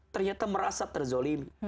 ternyata merasa terzolimi